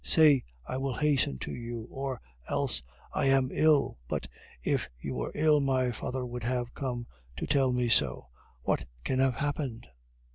Say, 'I will hasten to you,' or else, 'I am ill.' But if you were ill my father would have come to tell me so. What can have happened?..."